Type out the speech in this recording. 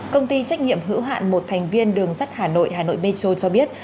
công ty trách nhiệm hữu hạn một thành viên đường sắt hà nội hà nội metro cho biết